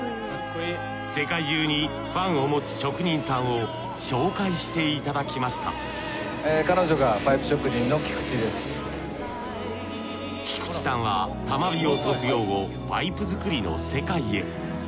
世界中にファンを持つ職人さんを紹介していただきました菊池さんは多摩美を卒業後パイプ作りの世界へ。